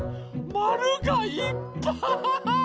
まるがいっぱい！